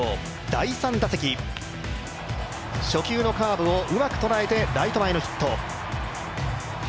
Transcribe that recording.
第３打席、初球のカーブをうまく捉えてライト前のヒット。